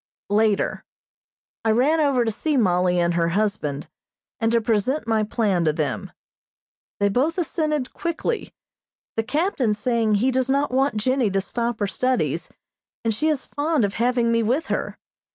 Later: I ran over to see Mollie and her husband, and to present my plan to them. They both assented quickly, the Captain saying he does not want Jennie to stop her studies, and she is fond of having me with her.